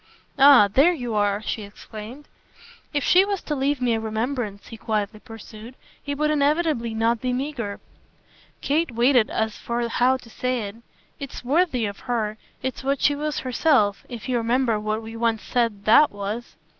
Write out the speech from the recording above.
"Ah there you are!" she exclaimed. "If she was to leave me a remembrance," he quietly pursued, "it would inevitably not be meagre." Kate waited as for how to say it. "It's worthy of her. It's what she was herself if you remember what we once said THAT was."